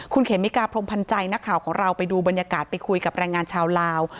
คุณเขมิกาพรมพันธ์ใจนักข่าวของเราไปดูบรรยากาศไปคุยกับแรงงานชาวลาว